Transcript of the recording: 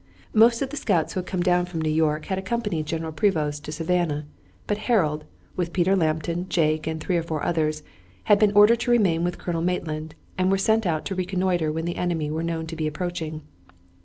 Most of the scouts who had come down from New York had accompanied General Prevost to Savannah, but Harold, with Peter Lambton, Jake, and three or four others, had been ordered to remain with Colonel Maitland, and were sent out to reconnoiter when the enemy were known to be approaching.